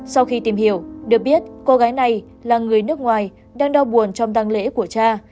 sau khi tìm hiểu được biết cô gái này là người nước ngoài đang đau buồn trong tăng lễ của cha